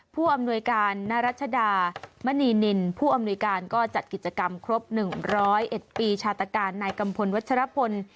ผู้อำนวยการณรัชดามณีนินผู้อำนวยการก็จัดกิจกรรมครบ๑๐๑ปีชาตการนายกัมพลวัชรพล